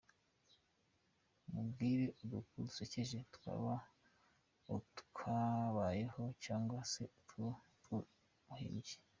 Mubwire udukuru dusekeje twaba utwabayeho cyangwa se n’utwo umuhimbiye.